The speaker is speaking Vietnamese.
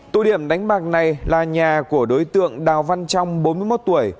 tụ điểm đánh bạc này là nhà của đối tượng đào văn trong bốn mươi một tuổi